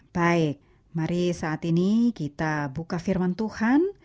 baik mari saat ini kita buka firman tuhan